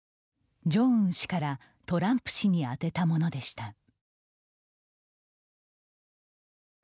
ジョンウン氏からトランプ氏に宛てたものでした。